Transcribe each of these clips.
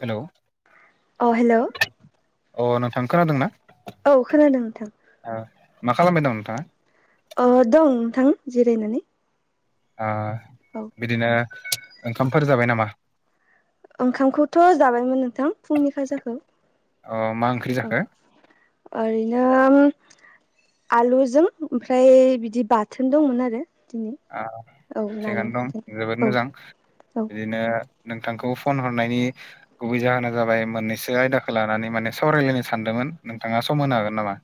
Hello अ hello अ नोंथां खोनादोंना? औ खोनादों नोंथां। मा खालामबाय दं अ दं नोंथां जिरायनानै। ओ औ। बिदिनो ओंखामफोर जाबाय नामा? ओंखामखौथ' जाबायमोन नोंथां फुंनि खाजाखौ। अ मा ओंख्रि जाखो ओरैनो आलुजों ओमफ्राय बिदि बाथोन दंमोन आरो दिनै। औ नानि थिगानो दं बाथोन जोबोद औ मोजां औ बिदिनो नोंथांखौ फन हरनायनि गुबै जाहोना जाबाय मोननैसो आयदाखौ लानानै माने सावरायलायनो सानदोंमोन नोंथाङा सम होनो हागोन नामा?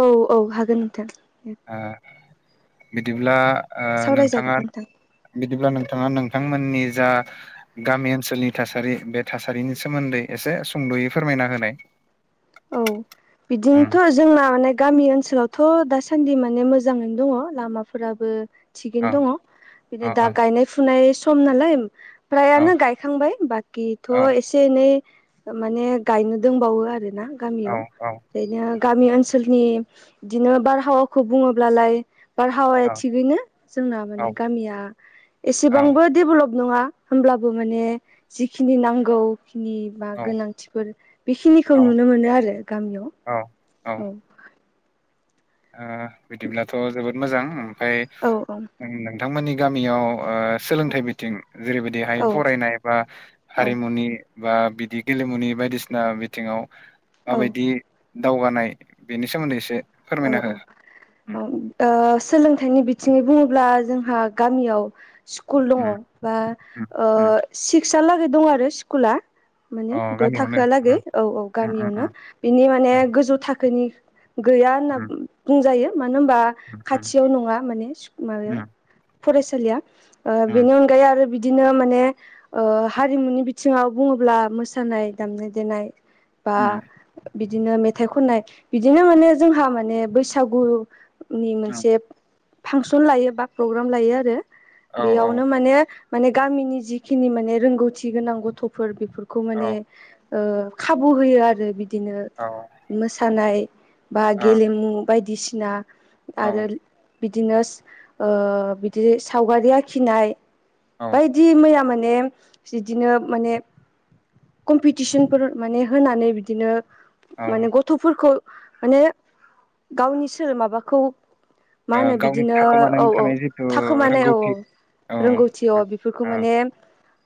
औ औ हागोन नोंथां। आं बिदिब्ला ओ नोंथाङा सावरायजागोन नोंथां बिदिब्ला नोंथाङा नोंथांमोननि जा गामि ओनसोलनि थासारि बे थासारिनि सोमोन्दै एसे सुंद'यै फोरमायना होनाय। औ उम बिदिनो जोंना माने गामि ओनसोलावथ' दासान्दि माने मोजाङैनो दङ लामाफोराबो थिगैनो औ दङ। औ बिदिनो दा औ गायनाय फुनाय सम नालाय औ फ्रायानो गायखांबाय बाखिथ' औ एसे एनै ओ माने गायनो दोंबावो आरो ना औ गामियाव औ ओरैनो गामि ओनसोलनि बिदिनो बारहावाखौ बुङोब्लालाय बारहावाया औ थिगैनो जोंना माने औ गामिया औ एसेबांबो डेभलप नङा। होमब्लाबो माने जिखिनि नांगौ बा औ गोनांथिफोर बेखिनिखौ औ नुनो मोनो आरो औ औ गामियाव। बिदिब्लाथ' जोबोद मोजां ओमफाय औ औ। नोंथांमोननि गामियाव सोलोंथाइ बिथिं जेरैबायदिहाय औ फरायनाय बा औ हारिमुनि बा बिदि गेलेमुनि बायदिसिना बिथिङाव औ माबायदि दावगानाय बेनि सोमोन्दै एसे फोरमायना हो औ। उम सोलोंथाइनि बिथिङै बुङोब्ला जोंहा गामियाव स्कुल दङ उम बा उम ओ उम सिक्सलागै दं आरो स्कुला। माने अ द' गामियावनो थाखोआ लागै उम औ औ उम गामियावनो। उम बिनि माने उम गोजौ थाखोनि गैया होनना उम बुंजायो मानो होनबा उम खाथियाव नङा माने माबायाव उम फरायसालिया उम बेनि अनगायै ओाय आरो बिदिनो माने ओ हारिमुनि बिथिङाव बुङोब्ला मोसानाय दामनाय देनाय बा उम बिदिनो मेथाइ खननाय बिदिनो माने जोंहा माने बैसागु नि उम मोनसे फांसन लायो बा प्रग्राम लायो आरो औ बेयावनो माने माने गामिनि जिखिनि माने रोंगौथि गोनां गथ'फोर बेफोरखौ माने औ ओ खाबु होयो आरो बिदिनो औ मोसानाय बा औ गेलेमु बायदिसिना औ आरो बिदिनो ओ बिदि सावगारि आखिनाय औ बिायदि मैया माने बिदिनो माने कम्पिटिसनफोर माने होनानै बिदिनो माने गथ'फोरखौ माने गावनि सोर माबाखौ मा ओ होनो गावनि बिदिनो औ थाखोमानानै औ थानाय जिथु थाखोमानाय औ रोंगौथि औ रोंगौथियाव उम, बेफोरखौ ओ माने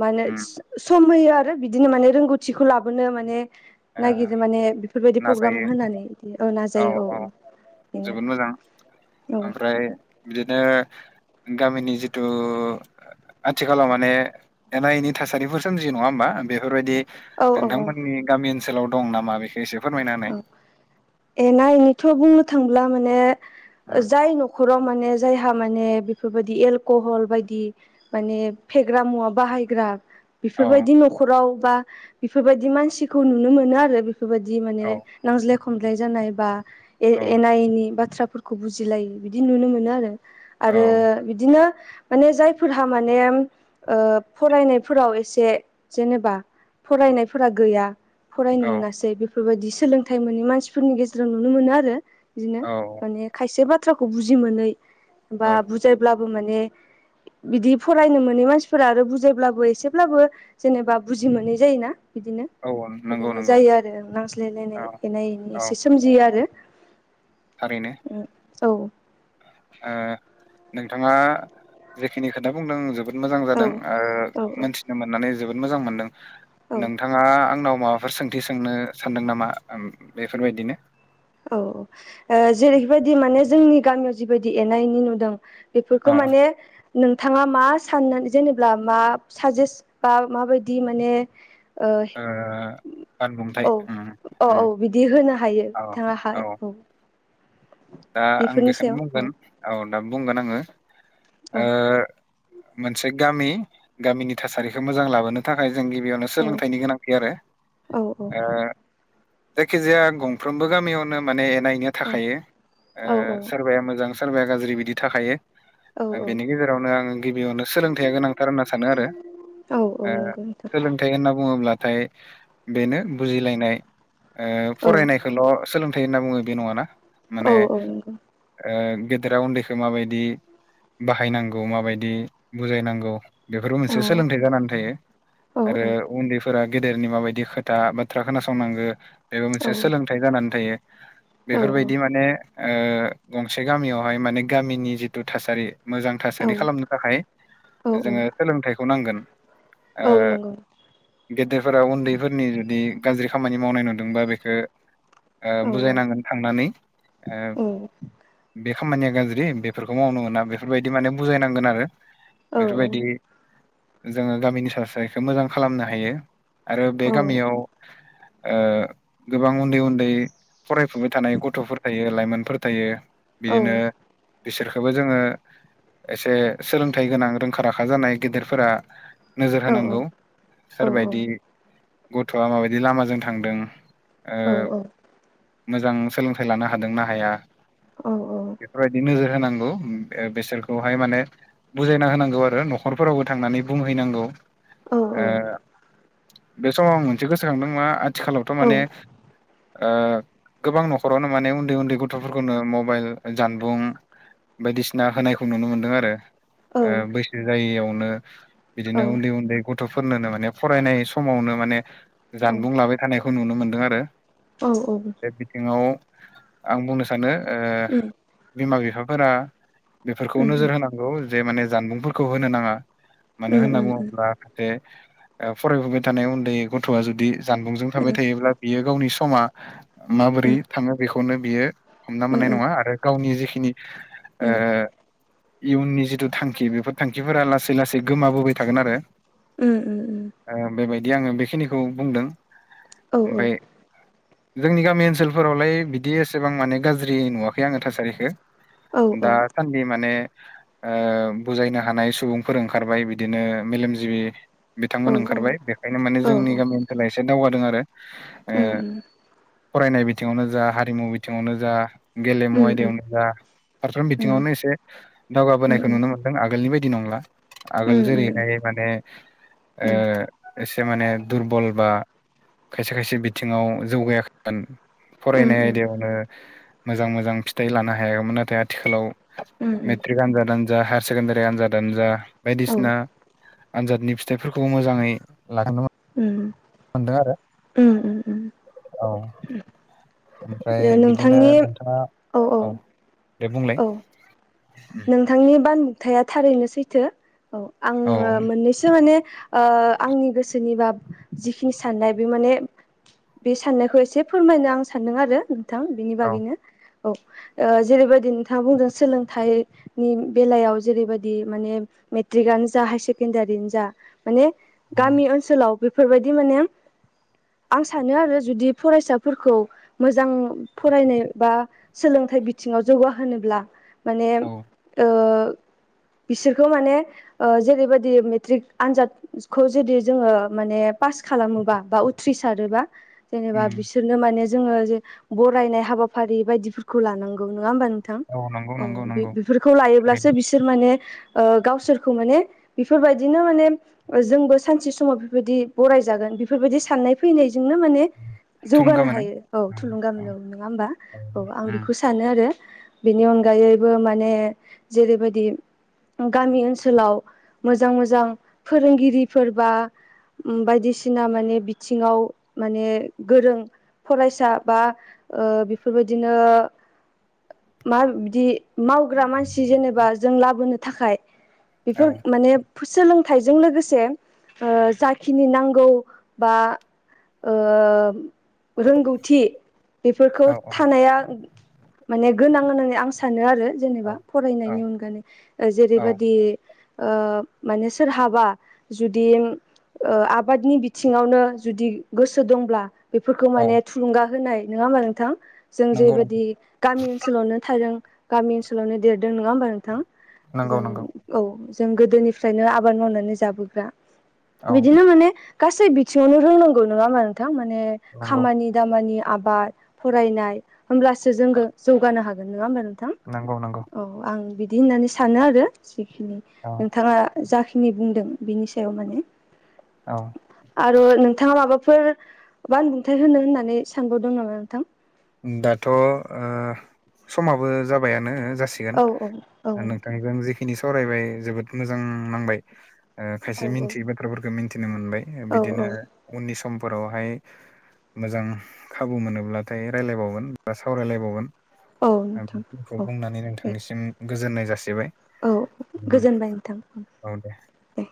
मा होनो? उम सम होयो आरो बिदिनो माने रोंगौथिखौ लाबोनो माने ओ ननायागिरो माने बेफोरबायदि प्रग्राम नाजायो होनानै। बिदि औ नाजायो औ औ बेनो जोबोद मोजां आरो औ ओमफ्राय बिदिनो गामिनि जिथु आथिखालाव माने एना एनि थासारिफोर सोमजियो नङा होमबा बेफोरबायदि औ नोंथांमोननि गामि ओनसोलाव दं नामा बेखौ एसे फोरमायना होनाय। औ एना एनिथ' बुंनो थांब्ला माने उम, जाय न'खराव माने जायहा माने बेफोरबायदि एलकहल बायदि माने फेग्रा मुवा बाहायग्रा औ बेफोरबायदि न'खराव बा बेफोरबायदि मानसिखौ नुनो मोनो आरो बेफोरबायदि माने औ नांज्लाय खमलाय जानाय बा औ एना एनि बाथ्रा खौ बुजिलायो बिदि नुनो मोनो आरो औ आरो बिदिनो माने जायफोरहा माने फरायनायफोराव एसे जेनेबा फरायनायफोरा गैया फरायनो औ मोनासै बेफोरबायाददि सोलोंथाइ मोननि मानसिफोरनि गेजेराव नुनो मोनो आरो। बिदिनो औ माने खायसे बाथ्राखौ बुजि मोनै बा औ बुजायब्लाबो माने बिदि फरायनो मोनै मानसिफोरा आरो बुजायब्लाबो एसेब्लाबो जेनेबा बुजि मोनै जायोना बिदिनो औ नंगौ बिदिनो नंगौ जायो आरो [unintelligible] सलायलायनाय औ एनाय ए औ एसे सोमजियो आरो। थारैनो औ नोंथाङा जेखिनि खोथा बुंदों जोबोर जोबोद मोजां औ जादों औ मोनथिनो मोननानै जोबोद मोजां मोनदों औ नोंथाङा आंनाव मा बेफोर सोंथि सोंनो सानदों नामा बेफोरबायदिनो? औ औ जेरैबायदि माने जोंनि गामियाव जिबायदि एना एनि नुदों। बेफोरखौ औ माने नोंथाङा मा साननानै जेनेबा मा साजेस् बा माबायदि माने ओ बानबुंथाय औ उम औ उम औ बिदि होनो हायो। औ बिथाङा हाय औ दा आं बेफोरनि बेखायनो सायाव औ बुंगोन औ दा बुंगोन आङो औ ओ मोनसे गामि गामिनि थासारिखौ मोजां लाबोनो थाखाय जों गिबियावनो औ सोलोंथाइनि गोनांथि आरो औ ओ जायखिजाया गंफ्रोमबो गामियावनो माने नायनो थाखायो। औ सोरबाया मोजां सोरबाया गाज्रि बिदि थाखायो औ बेनि गेजेरावनो आङो गिबियावनो सोलोंथाइया गोनांथार होनना सानो आरो औ ओ नंगौ नोंथां सोलोंथाइ होनना बुङोब्लाथाय बेनो बुजिलायनाय औ फरायनायखौल' सोलोंथाइ होनना बुङो बे नङाना। औ माने औ नंगौ गेदेरा उन्दैखौ मा बादि बाहायनांगौ माबायदि बुजायनांगौ बेफोरबो औ मोनसे सोलोंथाइ जानानै थायो औ आरो उन्दै। फोर गेदेरनि माबायदि खोथा बाथ्रा खोनासंनांगो बेबो मोनसे औ सोंलोंथाय। फोथाय जानानै थायो औ बेफोरबादि बिदि माने गंसे गामियावहाय माने गामिनि जिथु थासारि मोजां थासारि खालामनो थाखाय औ जोङो सोलोंथाइखौ नांगोन। ओ औ नंगौ गेदेरफोरा उन्दैफोरनि जुदि गाज्रि खामानि मावनाय नुदोंबा बेखौ औ औ औ बुजायनांगोन थांनानै ओ औ औ बे खामानिया गाज्रि बेफोरखौ मावनो मोना बेफोरबादि माने बुजायनांगोन आरो औ औ औ बेफोरबादि जोङो गामिनि सा सारिखौ मोजां खालामनो हायो। आरो बे उम उम गामियाव गोबां उन्दै उन्दै फरायफुबाय थानाय गथ' थायो लाइमोनफोर थायो बिदिनो बिसोरखौबो जोङो। एसे सोलोंथाइ गोनां रोंखा राखा जानाय गेदेरफोरा नोजोर होनांगौ सोरबायदि गथ'आ माबायदि लामाजों थांदों। उम जोङो मोजां सोलोंथाइ लानो हादोंना हाया औ। बेफोरबादि नोजोर होनांगौ बेसोरखौहाय माने बुजायना होनांगौ आरो न'खरफोरावबो थांनानै बुंहैनांगौ बे समाव आं मोनसे गोसोखांदों मा आथिखालावथ' माने गोबां न'खरावनो माने उन्दै उन्दै गथ'फोरखौनो मबाइल जानबुं बायदिसिना होनायखौ नुनो मोनदों आरो उम बैसो जायायावनो बिदिनो उन्दै उन्दै गथ'फोरनोनो माने फरायनाय समावनो माने जानबुं लाबाय थानायखौ नुनो मोनदों आरो। औ। बे बिथिङाव आं बुंनो सानो बिमा बिफाफोरा बेफोरखौ नोजोर होनांगौ। नौ जे माने जानबुंफोरखौ होनो नाङा मानो होनना बुङोब्ला जे जाहाथे फरायफबाय थानाय उन्दै गथ'आ जुदि जानबुंजों थाबाय थायोब्ला बियो गावनि समा माबोरै थाङो बेखौनो बियो हमना मोननाय नङा आरो। गावनि जिखिनि इयुननि जिथु थांखि बेफोर थांखिफोरा लासै लासै गोमाबोबाय थागोन आरो। उम। बेबायदि आङो बेखिनिखौ बुंदों औ ओमफ्राय जोंनि गामि ओनसोलफोराव फोरावलाय बिदि एसेबां माने गाज्रि नुवाखै आङो थासारिखौ औ दा जि माने बुजायनो हानाय सुबुंफोर ओंखारबाय बिदिनो मेलेमजिबि औ बिथांमोन ओंखारबाय बेखायनो माने औ जोंनि उम गामि ओनसोला एसे दावगादों आरो ओ उम फरायनाय बिथिङावनो जा हारिमु बिथिङावनो जा गेलेमु आयदायावनो जा फारफ्रोम बिथिङावनो एसे दावगाबोनायखौ नुनो मोनो। नों आगोलनि बायदि नंला आगोल जेरैहाय माने एसे माने दुरबल ओ खायसे खायसे बिथिङाव जौगायाखै। फरायनाय आयदायावनो मोजां मोजां फिथाइ लानो हायाखैमोन नाथाय आथिखालाव मेट्रिक आनजादानो जा हायार सेकेण्डारि आनजादानो जा औ, बायदिसिना आनजादनि फिथाइफोरखौ मोजाङै लानो [unintelligible] मोनदों आरो ऊम, ऊम. औ। ओमफ्राय ओ बिदिनो नोंथांनि नोंथाङा औ दे बुंलाय? औ नोंथांनि बानबुथाया थारैनो सैथो औ ओ औ आङो मोननैसो माने ओ आंनि गोसोनिबा जिखिनि साननाय बे माने बे साननायखौ एसे फोरमायनो आं सान्दों आरो नोंथां बिनि औ बागैनो औ जेरैबायदि नोंथाङा बुंदों सोलोंथाइ नि बेलायाव जेरैबायदि माने मेट्रिकआनो जा हायार सेकेण्डारिआनो जा माने औ गामि ओनसोलाव बेफोरबादि माने आं सानो आरो जुदि फरायसाफोरखौ मोजां फरायनाय बा सोलोंथाइ बिथिङाव जौगाहोनोब्ला माने औ ओ बिसोरखौ माने जेरैबायदि मेट्रिक आन खौ जुदि जोङो माने पास खालामोबा बा उथ्रिसारोबा जेनेबा उम बिसोरनो माने जोङो जे बरायनाय हाबाफारि बायदिफोरखौ लानांगौ नङा होमबा औ नंगौ नंगौ नंगौ। फोरखौ लायोब्लासो थारैनो बिसोर माने गावसोरखौ माने बेफोरबादिनो माने जोंबो सानसे समाव बेफोरबायदि बरायजागोन बेफोरबायदि साननाय फैनायजोंनो माने थुलुंगा जौगानो मोनो हायो औ उम थुलुंगा औ मोन नङा होमबा औ आं उम, बेखौ सानो आरो बेनि अनगायैबो माने जेरैबादि गामि ओनसोलाव मोजां मोजां फोरोंगिरिफोर बा बायदिसिना माने बिथिङाव माने गोरों फरायसा बा ओ बेफोरबादिनो माबादि मावग्रा मानसि जेनेबा जों लाबोनो थाखाय औ बेफोर माने सोलोंथाइजों लोगोसे जाखिनि नांगौ बा ओ रोंगौथि बेफोरखौ औ थानाया माने गोनां होननानै आं सानो आरो जेनेबा औ औ फरायनायनि अनगायै औ जेरैबादि ओ माने सोरहाबा जुदि ओ आबादनि बिथिङावनो जुदि गोसो दंब्ला बेफोरखौ औ माने थुलुंगा होनाय नङा होमा नोंथां जों नंगौ जेबायदि गामि ओनसोलावनो थादों गामि ओनसोलावनो देरदों नङा होमबा नोंथां नंगौ नंगौ औ जों गोदोनिफ्रायनो आबाद मावनानै जाबोग्रा औ बिदिनो माने। गासै बिथिङावनो रोंनांगौ नङा होनबा नोंथां माने नंगौ खामानि दामानि आबाद फरायनाय होमब्लासो जोंङो जौगानो हागोन नङा होमबा नोंथां। नंगौ नोंथां। औ आं बिदि होननानै सानो आरो जिखिनि औ नोंथाङा जाखिनि बुंदों बिनि सायाव माने औ। आरो नोंथाङा माबाफोर बानबुंथाय होनो होननानै सानबावदों नामा नोंथां? दाथ' ओ समाबो जाबायानो जा औ औ औ [unintelligible] नोंथां नोंथांनिखौ आ खिनि सावरायबाय जोबोद मोजां नांबाय औ खायसे औ मिथियै बाथ्राफोरखौ मिन्थिनो मोनबाय। औ बिदिनो औ उननि समफोरावहाय मोजां खाबु मोनोब्लाथ'। फरायजलायबावगोन बा सावरायलायबावगोन। औ नोंथां बेखौ औ बुंनानै दे नोंथांनिसिम गोजोननाय जासिबाय औ गोजोनबाय नोंथां औ दे। दे